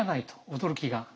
驚きが。